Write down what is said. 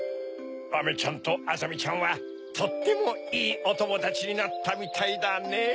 アメちゃんとあざみちゃんはとってもいいおともだちになったみたいだねぇ。